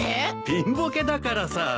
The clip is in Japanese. ピンボケだからさ。